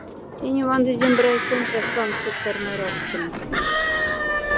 Тяни ванды сембе райцентрась лангсот кармай рахсема.